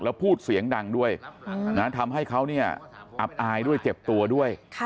แล้วพูดเสียงดังด้วยทำให้เขาอับอายด้วยเจ็บตัวด้วย